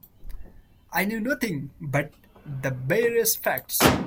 I knew nothing but the barest facts.